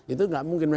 itu gak mungkin